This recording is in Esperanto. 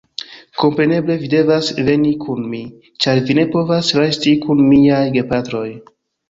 Kompreneble, vi devas veni kun mi, ĉar vi ne povas resti kun miaj gepatroj.